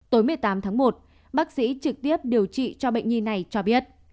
tối một mươi tám tháng một bác sĩ trực tiếp điều trị cho bệnh nhi này cho biết